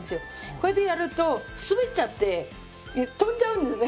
こうやってやると滑っちゃって飛んじゃうんですね。